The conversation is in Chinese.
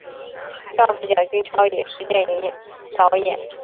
丈夫蒋君超也是电影导演。